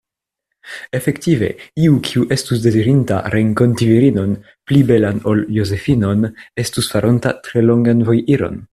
Efektive iu, kiu estus dezirinta renkonti virinon pli belan ol Josefinon, estus faronta tre longan vojiron.